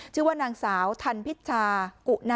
ชื่อว่านางสาวทันพิชชากุณะ